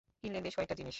কিনলেন বেশ কয়েকটা জিনিস।